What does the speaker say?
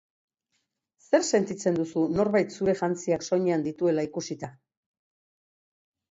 Zer sentitzen duzu norbait zure jantziak soinean dituela ikusita?